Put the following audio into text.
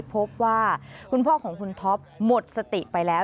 พบว่าคุณพ่อของคุณท็อปหมดสติไปแล้ว